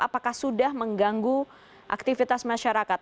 apakah sudah mengganggu aktivitas masyarakat